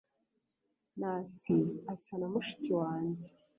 nancy asa na mushiki wanjye